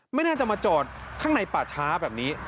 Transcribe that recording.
ไม่น่าจะมาจอดข้างในป่าช้าแบบนี้